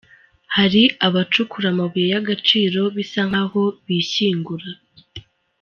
Hari abacukura amabuye y’agaciro bisa nkaho bishyingura.